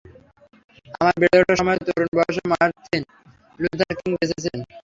আমার বেড়ে ওঠার সময়ে, তরুণ বয়সে মার্টিন লুথার কিং বেঁচে ছিলেন।